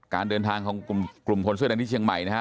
การเดินทางของกลุ่มคนเสื้อแดงที่เชียงใหม่นะฮะ